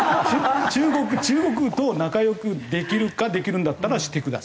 中国と仲良くできるかできるんだったらしてください。